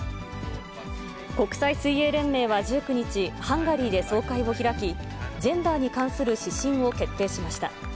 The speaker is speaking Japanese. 国際水泳連盟は１９日、ハンガリーで総会を開き、ジェンダーに関する指針を決定しました。